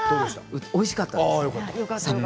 おいしかったです。